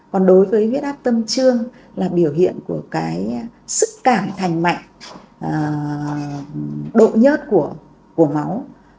còn đối với huyết áp tâm trương là biểu hiện của cái sức cảm thành mạnh độ nhớt của máu